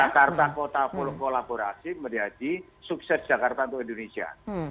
jakarta kota kolaborasi menjadi sukses jakarta untuk indonesia